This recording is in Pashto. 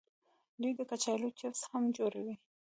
دوی د کچالو چپس هم جوړوي.